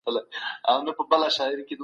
دوی د ظلم پر وړاندي ږغ پورته کړی دی.